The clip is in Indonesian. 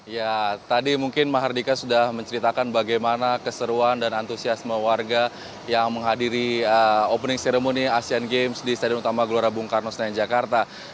ya tadi mungkin mahardika sudah menceritakan bagaimana keseruan dan antusiasme warga yang menghadiri opening ceremony asean games di stadion utama gelora bung karno senayan jakarta